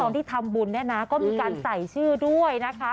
ที่ทำบุญเนี่ยนะก็มีการใส่ชื่อด้วยนะคะ